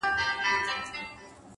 مثبت فکر د ستونزو بار سپکوي,